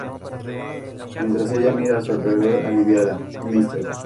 Mientras ella mira a su alrededor aliviada, Mr.